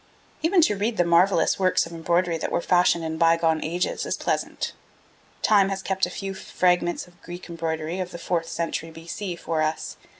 Even to read of the marvellous works of embroidery that were fashioned in bygone ages is pleasant. Time has kept a few fragments of Greek embroidery of the fourth century B.C. for us.